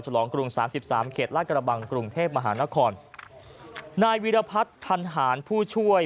ลองกรุงสามสิบสามเขตลาดกระบังกรุงเทพมหานครนายวิรพัฒน์พันหารผู้ช่วย